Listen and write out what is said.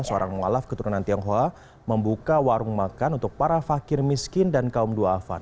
seorang walaf ⁇ keturunan tionghoa membuka warung makan untuk para fakir miskin dan kaum dua afan